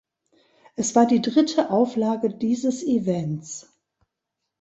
Es war die dritte Auflage dieses Events.